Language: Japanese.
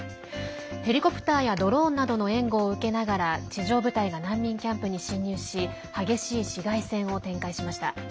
ヘリコプターやドローンなどの援護を受けながら地上部隊が難民キャンプに侵入し激しい市街戦を展開しました。